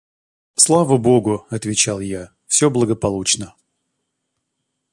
– Слава богу, – отвечал я, – все благополучно.